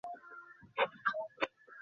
কি আর বলবো, গাঙুবাই?